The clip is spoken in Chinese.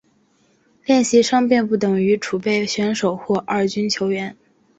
练习生并不等于储备选手或二军球员。